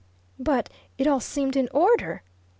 "But it all seemed in order!"